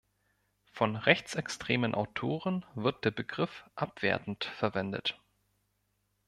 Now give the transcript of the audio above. Von rechtsextremen Autoren wird der Begriff abwertend verwendet.